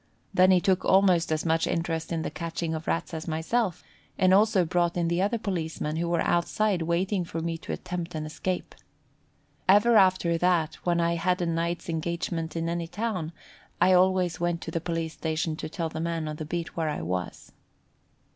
Then he took almost as much interest in the catching of Rats as myself, and also brought in the other policemen who were outside waiting for me to attempt an escape. Ever after that, when I had a night's engagement in any town, I always went to the police station to tell the man on that beat where I was.